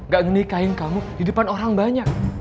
gak nikahin kamu di depan orang banyak